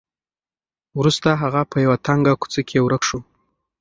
وروسته هغه په یوه تنګه کوڅه کې ورک شو.